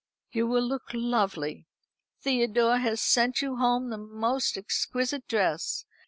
"You will look lovely. Theodore has sent you home the most exquisite dress.